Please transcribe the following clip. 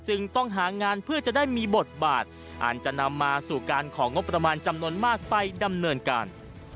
ต้องหางานเพื่อจะได้มีบทบาทอาจจะนำมาสู่การของงบประมาณจำนวนมากไปดำเนินการ